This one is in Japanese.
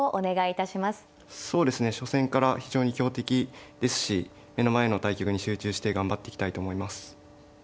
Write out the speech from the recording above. そうですね初戦から非常に強敵ですし目の前の対局に集中して頑張っていきたいと思います。